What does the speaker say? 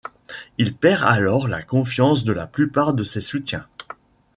Il perd alors la confiance de la plupart de ses soutiens.